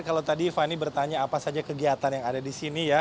kalau tadi fani bertanya apa saja kegiatan yang ada di sini ya